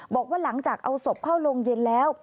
บอกว่าหลังจากเอาศพเข้าโรงเย็นแล้ว